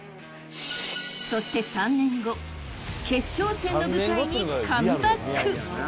そして３年後決勝戦の舞台にカムバック！